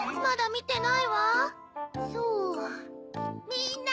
みんな！